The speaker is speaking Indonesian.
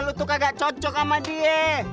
lo tuh kagak cocok sama dia